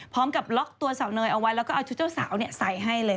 พร้อมกับล็อกตัวสาวเนยเอาไว้แล้วก็เอาชุดเจ้าสาวใส่ให้เลย